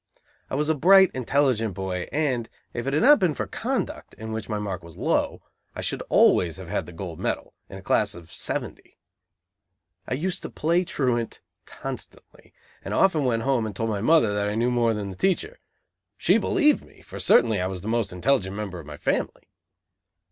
I was a bright, intelligent boy, and, if it had not been for conduct, in which my mark was low, I should always have had the gold medal, in a class of seventy. I used to play truant constantly, and often went home and told my mother that I knew more than the teacher. She believed me, for certainly I was the most intelligent member of my family.